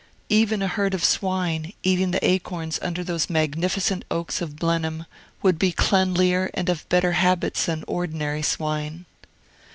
Even a herd of swine, eating the acorns under those magnificent oaks of Blenheim, would be cleanlier and of better habits than ordinary swine.